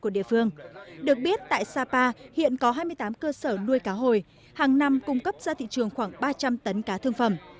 được biết tại sapa hiện có hai mươi tám cơ sở nuôi cá hồi hàng năm cung cấp ra thị trường khoảng ba trăm linh tấn cá thương phẩm